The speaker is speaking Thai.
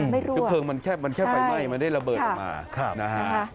ไม่รั่วคือเพลิงมันแค่ไฟไหม้มันได้ระเบิดออกมานะฮะค่ะครับ